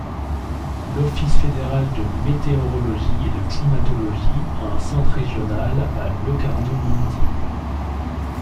L'office fédéral de météorologie et de climatologie a un centre régional à Locarno-Monti.